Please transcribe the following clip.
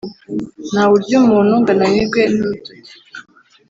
Ntawe urya umuntu ngo ananirwe n’urutoki.